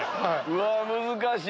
うわ難しい！